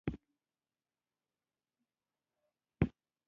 له خبرو څخه يې ويل کېدل چې هغې مور ده.